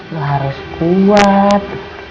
lo harus kuat